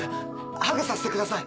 ハグさせてください。